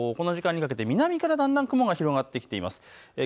この時間にかけて南からだんだん黒い雲が広がってきてます。